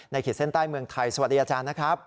ขีดเส้นใต้เมืองไทยสวัสดีอาจารย์นะครับ